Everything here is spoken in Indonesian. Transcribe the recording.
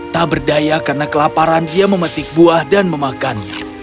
tak berdaya karena kelaparan dia memetik buah dan memakannya